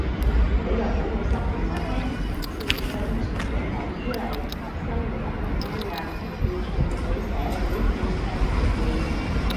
佢又好老實話我聽，以前真係純種港豬嚟，生活得好安逸，完全唔理社會政制時事